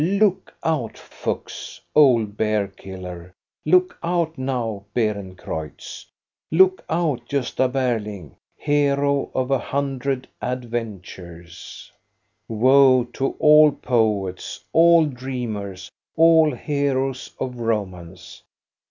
Look out, Fuchs, old bear killer; look out now, Beerencreutz ; look out, Gosta Berling, hero of a hundred ad ventures ! Woe to all poets, all dreamers, all heroes of romance